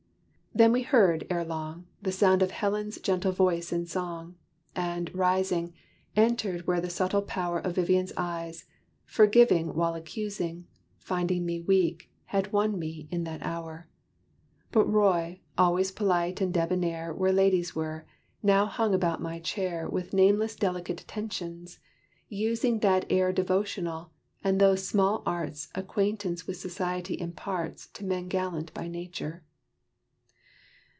Then we heard, ere long, The sound of Helen's gentle voice in song, And, rising, entered where the subtle power Of Vivian's eyes, forgiving while accusing, Finding me weak, had won me, in that hour; But Roy, alway polite and debonair Where ladies were, now hung about my chair With nameless delicate attentions, using That air devotional, and those small arts Acquaintance with society imparts To men gallant by nature.